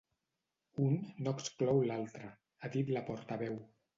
Un no exclou l’altre, ha dit la portaveu.